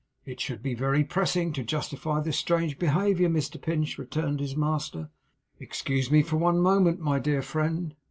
'It should be very pressing to justify this strange behaviour, Mr Pinch,' returned his master. 'Excuse me for one moment, my dear friend.